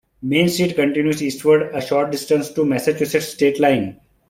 Main Street continues eastward a short distance to the Massachusetts state line.